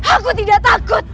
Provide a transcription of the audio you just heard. aku tidak takut